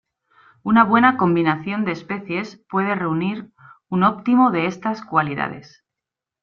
Una buena combinación de especies puede reunir un óptimo de estas cualidades.